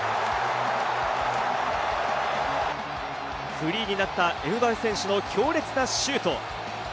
フリーになったエムバペ選手の強烈なシュート。